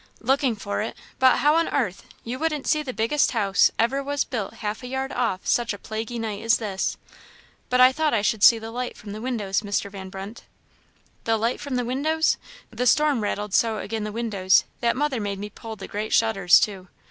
"Looking for it! Why, how on 'arth! you wouldn't see the biggest house ever was built half a yard off such a plaguy night as this." "I thought I should see the light from the windows, Mr. Van Brunt." "The light from the windows! the storm rattled so agin' the windows, that mother made me pull the great shutters to.